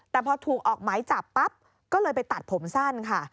แต่พอถูกออกหมายจับปั๊บก็เลยไปตัดผมสั้นค่ะ